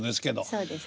そうですね。